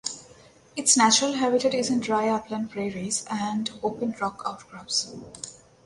Its natural habitat is in dry upland prairies and open rock outcrops.